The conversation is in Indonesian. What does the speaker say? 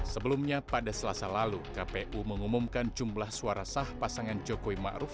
sebelumnya pada selasa lalu kpu mengumumkan jumlah suara sah pasangan jokowi ma'ruf